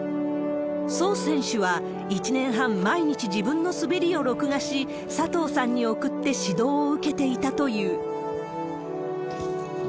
蘇選手は、１年半毎日自分の滑りを録画し、佐藤さんに送って指導を受けていたという。